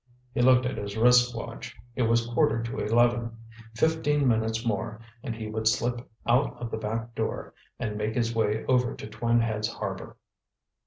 He looked at his wristwatch. It was quarter to eleven. Fifteen minutes more, and he would slip out of the back door and make his way over to Twin Heads Harbor.